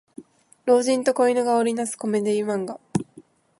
老人と子犬が織りなすコメディ漫画